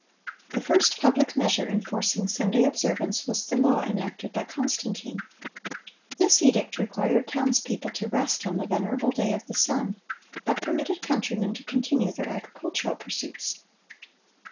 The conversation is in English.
The first public measure enforcing Sunday observance was the law enacted by Constantine.(1007) This edict required townspeople to rest on "the venerable day of the sun," but permitted countrymen to continue their agricultural pursuits.